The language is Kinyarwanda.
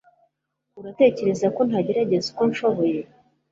Uratekereza ko ntagerageza uko nshoboye?